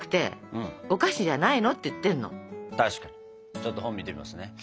ちょっと本見てみますね。